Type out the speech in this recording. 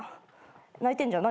泣いてんじゃん。